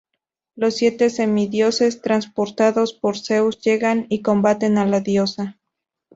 Los siete semidioses, transportados por Zeus, llegan y combaten a la diosa.